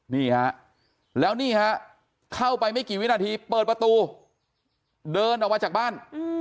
นี่ฮะแล้วนี่ฮะเข้าไปไม่กี่วินาทีเปิดประตูเดินออกมาจากบ้าน